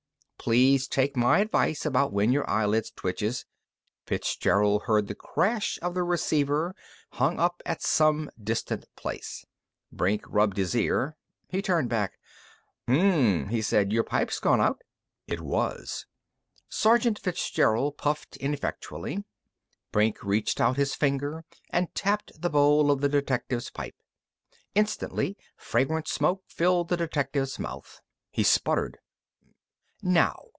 Please take my advice about when your eyelid twitches " Fitzgerald heard the crash of the receiver hung up at some distant place. Brink rubbed his ear. He turned back. "Hm m m," he said. "Your pipe's gone out." It was. Sergeant Fitzgerald puffed ineffectually. Brink reached out his finger and tapped the bowl of the detective's pipe. Instantly fragrant smoke filled the detective's mouth. He sputtered. "Now....